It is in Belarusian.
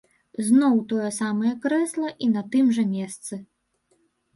Зноў тое самае крэсла і на тым жа месцы!